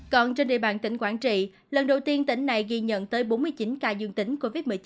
còn trên địa bàn tỉnh quảng trị lần đầu tiên tỉnh này ghi nhận tới bốn mươi chín ca dương tính covid một mươi chín